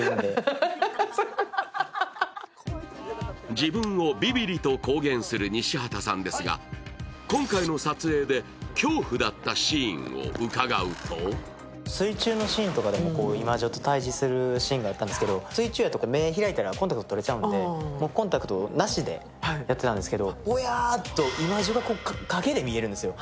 自分をビビリと公言する西畑さんですが今回の撮影で恐怖だったシーンを伺うと水中のシーンとかでもイマジョと対じするシーンがあるんですけど水中とか目開いたらコンタクト取れちゃうんでコンタクトなしでやってたんですけど、ぼやーっと、イマジョが影で見えるんですよ。